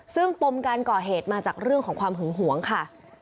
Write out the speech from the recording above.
ซึ่งปมการก่อเหตุมาจากเรื่องของความหึงหวงค่ะ